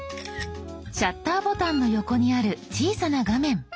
シャッターボタンの横にある小さな画面。